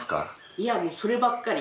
いやもうそればっかり。